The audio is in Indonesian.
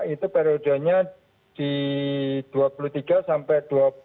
itu periodenya di dua puluh tiga sampai dua puluh enam dua puluh tujuh